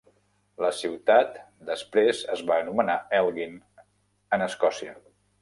La ciutat, després es va anomenar Elgin en Escòcia.